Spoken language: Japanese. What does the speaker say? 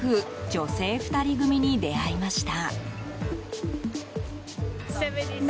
女性２人組に出会いました。